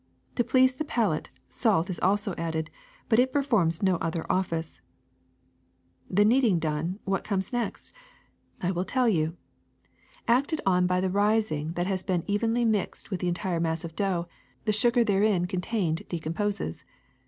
To please the palate, salt is also added, but it performs no other office. "The kneading done, w^hat comes next? I will 264 THE SECRET OF EVERYDAY THINGS tell you. Acted upon by the rising that has been evenly mixed with the entire mass of dough, the sugar therein contained decomposes.